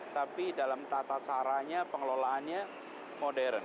tapi dalam tata caranya pengelolaannya modern